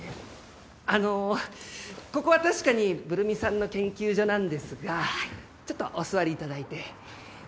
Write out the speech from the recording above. あのここは確かにブル美さんの研究所なんですがちょっとお座りいただいて。